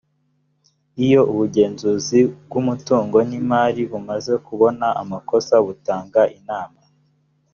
iyo ubugenzuzi bw’umutungo n’imali bumaze kubona amakosa butanga inama